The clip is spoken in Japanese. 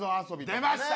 出ました